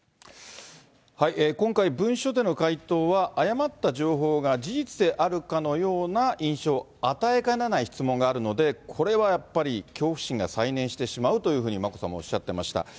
今回、文書での回答は、誤った情報が事実であるかのような印象を与えかねない質問があるので、これはやっぱり恐怖心が再燃してしまうというふうに、眞子さんはおっしゃっていました。